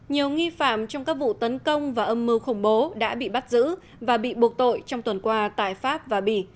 nhiều nghi phạm trong các vụ tấn công và âm mưu khủng bố đã bị bắt giữ và bị buộc tội trong tuần qua tại pháp và bỉ